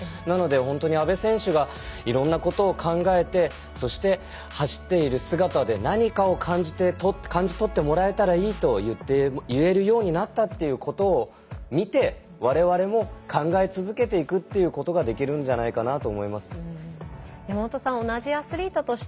なので本当に阿部選手がいろんなことを考えてそして走っている姿で何かを感じ取ってもらえたらいいといえるようになったということを見て、われわれも考え続けていくということができるんじゃないかな